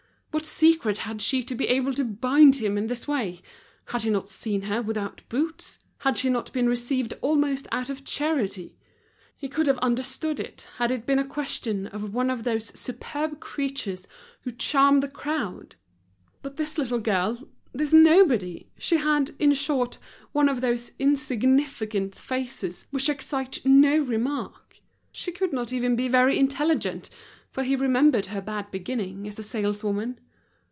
What secret had she to be able to bind him in this way? Had he not seen her without boots? Had she not been received almost out of charity? He could have understood it had it been a question of one of those superb creatures who charm the crowd! but this little girl; this nobody! She had, in short, one of those insignificant faces which excite no remark. She could not even be very intelligent, for he remembered her bad beginning as a saleswoman.